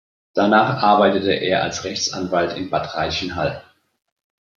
Danach arbeitete er als Rechtsanwalt in Bad Reichenhall.